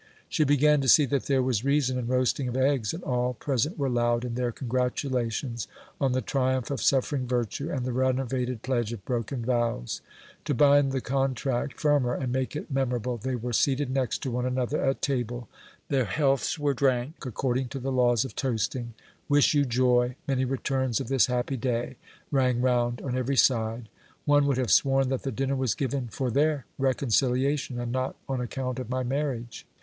She began to see that there was reason in roasting of eggs, and all present were loud in their congratulations, on the triumph of suffering virtue, and the renovated pledge of broken vows. To bind the contract firmer, and make it memorable, they were seated next to one another at table ; their healths were drank according to the laws of toasting ; wish you joy ! many returns of this happy day ! rang round on every side : one would have sworn that the dinner was given for their reconciliation, and not on account of my marriage.